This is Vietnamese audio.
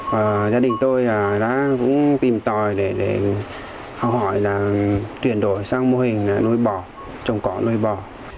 và gia đình tôi đã cũng tìm tòi để học hỏi là chuyển đổi sang mô hình nuôi bò trồng cỏ nuôi bò